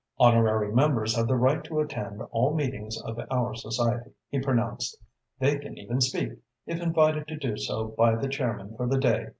"Honorary members have the right to attend all meetings of our society," he pronounced. "They can even speak, if invited to do so by the chairman for the day.